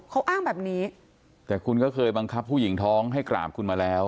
เขาอ้างแบบนี้แต่คุณก็เคยบังคับผู้หญิงท้องให้กราบคุณมาแล้ว